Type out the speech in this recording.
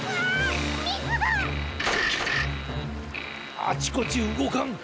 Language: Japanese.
あちこちうごかん！